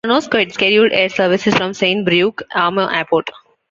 There are no scheduled air services from Saint-Brieuc - Armor Airport.